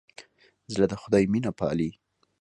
زړه د خدای مینه پالي.